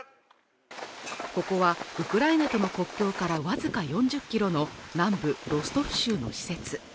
ここはウクライナとの国境から僅か４０キロの南部ロストフ州の施設